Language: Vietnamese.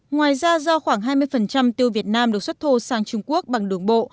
ngoài ra do khoảng hai mươi tiêu việt nam được xuất thô sang trung quốc bằng đường bộ